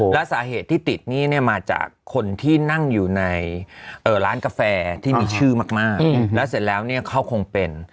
แล้วสาเหตุที่ติดหนี้เนี่ยมาจากคนที่นั่งอยู่ในร้านกาแฟที่มีชื่อมากแล้วเสร็จแล้วเนี่ยเขาคงเป็น